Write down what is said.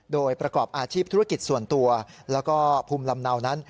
โดยประกอบอาชีพธุรกิจส่วนตัวแล้วก็ภูมิลำเนานั้น